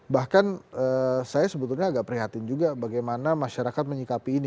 bahkan saya sebetulnya agak prihatin juga bagaimana masyarakat menyikapi ini